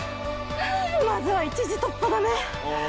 まずは１次突破だね。